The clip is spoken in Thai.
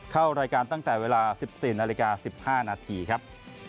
เข้ารายการตั้งแต่เวลา๑๔นาฬิกา๑๕นาทีครับ